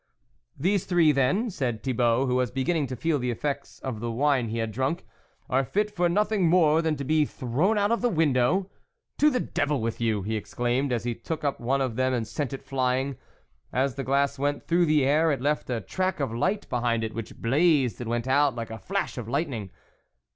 44 These three, then," said Thibault, who was beginning to feel the effects of the wine he had drunk, 44 are fit for nothing more than to be thrown out of window ? To the devil with you !" he exclaimed as he took up one of them and sent it flying. As the glass went through the air it left a track of light behind it, which blazed and went out like a flash of lightning.